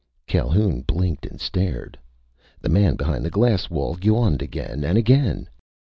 Calhoun blinked and stared. The man behind the glass wall yawned again and again.